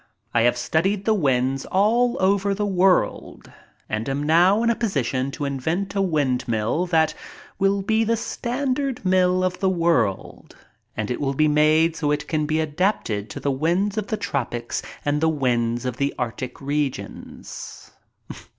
I have studied the winds all over the world and am now in a position to invent a windmill that will be the standard mill of the world, and it will be made so it can be adapted to the winds of the tropics and the winds of the arctic regions.